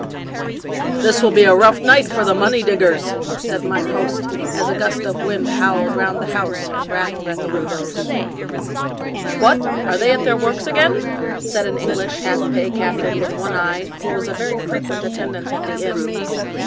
This will be a rough night for the money diggers," said mine host, as a gust of wind howled round the house and rattled at the windows. " What ! are they at their works again ?" said an English half pay captain, with one eye, who was a very frequent attendant at the inn.